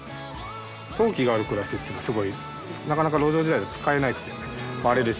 陶器がある暮らしっていうのはすごいなかなか路上時代は使えなくて割れるし。